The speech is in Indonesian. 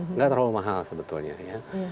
nggak terlalu mahal sebetulnya ya